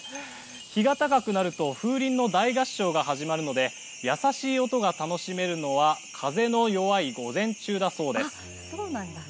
日が高くなると風鈴の大合唱が始まるので優しい音が楽しめるのは風の弱い午前中だそうです。